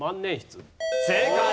正解。